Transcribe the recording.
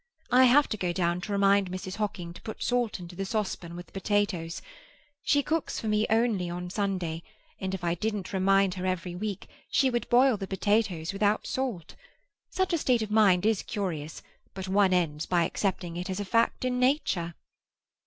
I have to go down to remind Mrs. Hocking to put salt into the saucepan with the potatoes. She cooks for me only on Sunday, and if I didn't remind her every week she would boil the potatoes without salt. Such a state of mind is curious, but one ends by accepting it as a fact in nature."